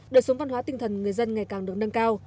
đời sống văn hóa tinh thần người dân ngày càng được nâng cao